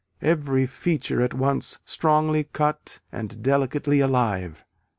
Every feature at once strongly cut and delicately alive."